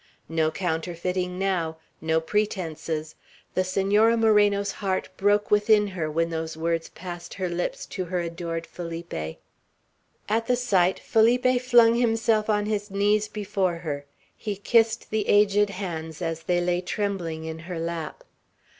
No counterfeiting now. No pretences. The Senora Moreno's heart broke within her, when those words passed her lips to her adored Felipe. At the sight, Felipe flung himself on his knees before her; he kissed the aged hands as they lay trembling in her lap.